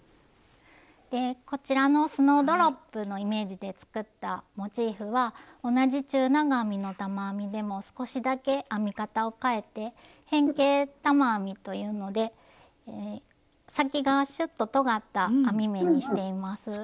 でこちらのスノードロップのイメージで作ったモチーフは同じ中長編みの玉編みでも少しだけ編み方をかえて「変形玉編み」というので先がシュッととがった編み目にしています。